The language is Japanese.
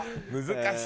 難しい。